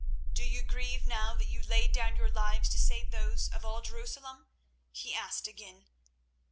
"Do you grieve now that you laid down your lives to save those of all Jerusalem?" he asked again.